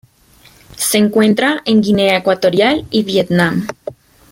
Se encuentra en Guinea Ecuatorial y Vietnam.